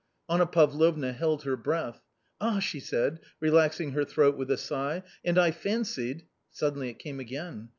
Anna Pavlovna held her breath. " Ah !" she said, relaxing her throat with a sigh, " and I fancied " Suddenly it came again.